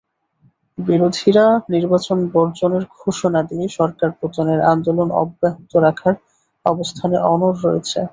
বিরোধীরা নির্বাচন বর্জনের ঘোষণা দিয়ে সরকার পতনের আন্দোলন অব্যাহত রাখার অবস্থানে অনড় রয়েছে।